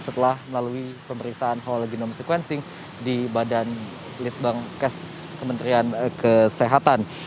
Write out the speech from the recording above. setelah melalui pemeriksaan halogenom sequencing di badan litbang kes kesehatan